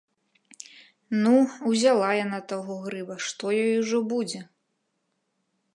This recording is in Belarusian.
Ну, узяла яна таго грыба, што ёй ужо будзе?